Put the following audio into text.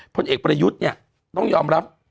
ผลเอกประยุทธ์เนี่ยต้องยอมรับ